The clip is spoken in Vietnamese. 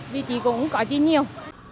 vì chỉ cũng có chi nhiều